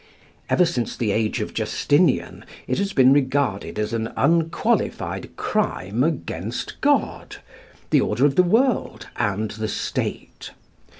Ever since the age of Justinian, it has been regarded as an unqualified crime against God, the order of the world, and the State.